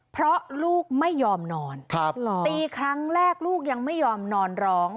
เพราะลูกไม่ยอมนอนตีครั้งแรกลูกยังไม่ยอมนอนร้อง